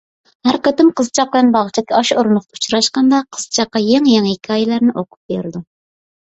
ھەر قېتىم قىزچاق بىلەن باغچىدىكى ئاشۇ ئورۇندۇقتا ئۇچراشقاندا، قىزچاققا يېڭى-يېڭى ھېكايىلەرنى ئوقۇپ بېرىدۇ.